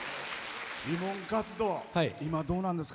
慰問活動、今、どうなんですか？